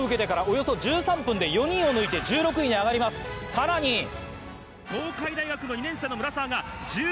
さらに東海大学の２年生の村澤が。